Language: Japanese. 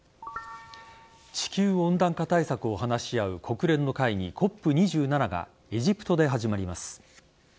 地球温暖化対策を話し合う国連の会議・ＣＯＰ２７がエジプトで始まります。